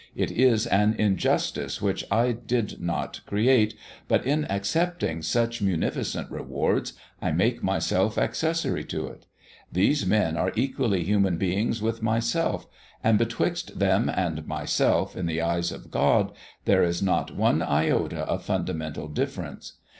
It is an injustice which I did not create, but in accepting such munificent rewards I make myself accessory to it. These men are equally human beings with myself, and betwixt them and myself, in the eyes of God, there is not one iota of fundamental difference.